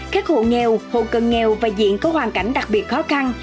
các hộ nghèo hộ cần nghèo và diện có hoàn cảnh đặc biệt khó khăn